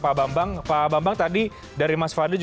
selamat malam pak kaka dan mas fadli